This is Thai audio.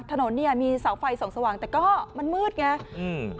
ถนนเนี่ยมีเสาไฟส่องสว่างแต่ก็มันมืดไงอืม